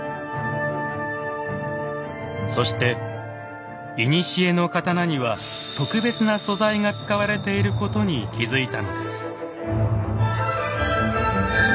そして古の刀には特別な素材が使われていることに気付いたのです。